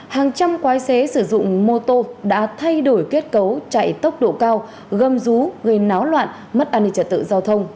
hàng trăm quái xế sử dụng mô tô đã thay đổi kết cấu chạy tốc độ cao gâm rú gây náo loạn mất an ninh trật tự giao thông